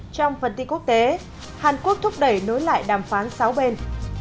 trong phần tin quốc tế hàn quốc thúc đẩy nối lại đàm phán sáu bên